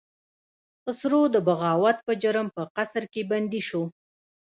خسرو د بغاوت په جرم په قصر کې بندي شو.